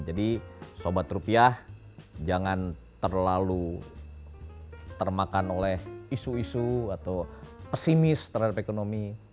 jadi sobat rupiah jangan terlalu termakan oleh isu isu atau pesimis terhadap ekonomi